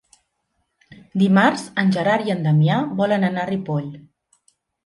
Dimarts en Gerard i en Damià volen anar a Ripoll.